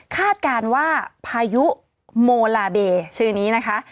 คาดการณ์ว่าพายุโมลาเบชื่อนี้นะคะ